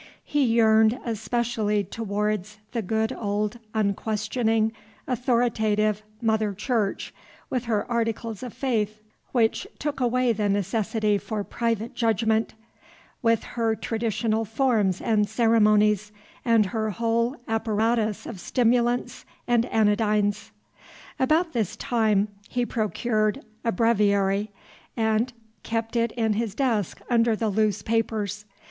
He yearned especially towards the good old unquestioning, authoritative Mother Church, with her articles of faith which took away the necessity for private judgment, with her traditional forms and ceremonies, and her whole apparatus of stimulants and anodynes. About this time he procured a breviary and kept it in his desk under the loose papers.